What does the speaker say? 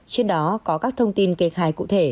trước đó có các thông tin kê khai cụ thể